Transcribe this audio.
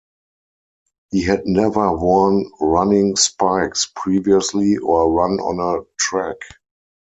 He had never worn running spikes previously or run on a track.